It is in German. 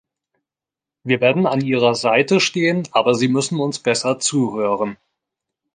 Wir werden an Ihrer Seite stehen, aber Sie müssen uns besser zuhören.